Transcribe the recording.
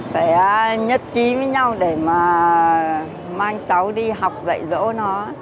phải nhất trí với nhau để mà mang cháu đi học dạy dỗ nó